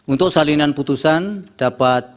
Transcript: untuk salinan putusan dapat